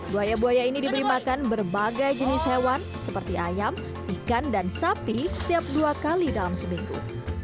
buaya buaya ini diberi makan berbagai jenis hewan seperti ayam ikan dan sapi setiap dua kali dalam seminggu